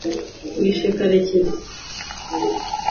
wishe karekezi